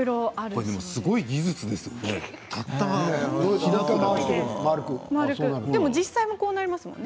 すごい技術ですよね。